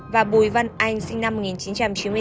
và bùi văn anh sinh năm một nghìn chín trăm chín mươi hai